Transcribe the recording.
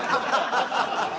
ハハハハ！